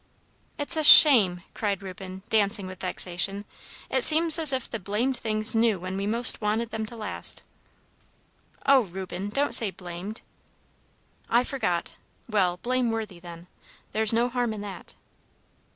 "It's a shame!" cried Reuben, dancing with vexation. "It seems as if the blamed things knew when we most wanted them to last!" "Oh, Reuben! don't say 'blamed.'" "I forgot. Well, blame worthy, then. There's no harm in that."